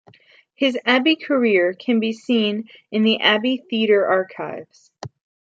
His Abbey career can be seen in the Abbey Theatre archives.